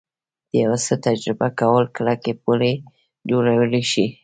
د یو څه تجربه کول کلکې پولې جوړولی شي